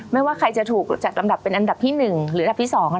ไม่ว่าใครจะถูกจัดลำดับเป็นอันดับที่๑หรืออันดับที่๒หรืออันดับที่๓